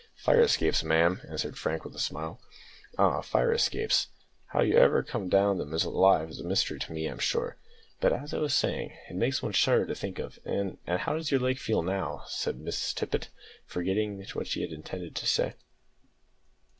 "Fire escapes, ma'am," answered Frank, with a smile. "Ah, fire escapes (how you ever come down them alive is a mystery to me, I'm sure!) But as I was saying, it makes one shudder to think of; and and how does your leg feel now?" said Miss Tippet, forgetting what she had intended to say.